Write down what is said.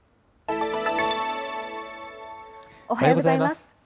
おはようございます。